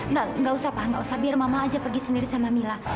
nggak usah pak nggak usah biar mama aja pergi sendiri sama mila